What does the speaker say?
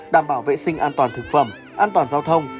đảm bảo vệ sinh an toàn thực phẩm an toàn giao thông